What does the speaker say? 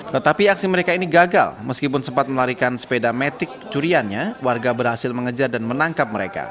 tetapi aksi mereka ini gagal meskipun sempat melarikan sepeda metik curiannya warga berhasil mengejar dan menangkap mereka